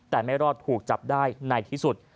แต่ไม่รอดถูกจับได้ในที่สุด